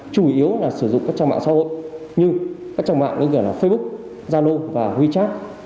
chủ yếu là sử dụng các trang mạng xã hội như các trang mạng bây giờ là facebook zalo và wechat